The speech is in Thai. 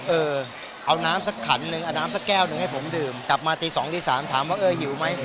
เออเอาน้ำสักขันหนึ่งเอาน้ำสักแก้วหนึ่งให้ผมดื่มกลับมาตี๒ตี๓ถามว่าเออหิวไหม